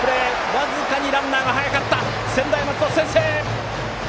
僅かにランナーが速かった専大松戸、先制！